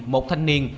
một thanh niên